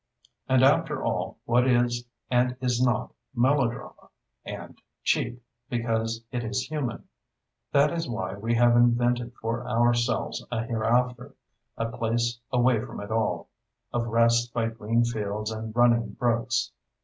And, after all, what is, and is not, melodrama—and cheap. Cheap—because it is human. That is why we have invented for ourselves a hereafter—a place away from it all—of rest by green fields and running brooks.